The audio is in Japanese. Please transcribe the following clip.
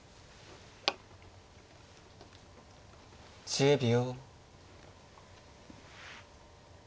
１０秒。